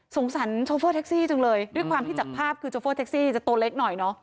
สงสัยจึงเลยด้วยความที่จากภาพคือจะตัวเล็กหน่อยเนอะ